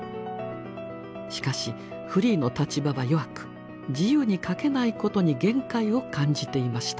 しかしフリーの立場は弱く自由に書けないことに限界を感じていました。